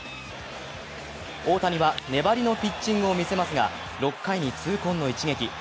大谷は粘りのピッチングを見せますが、６回に痛恨の一撃。